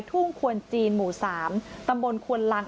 ทุ่งควนจีนหมู่๓ตำบลควนลัง